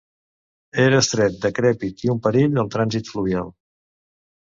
Era estret, decrèpit i un perill al trànsit fluvial.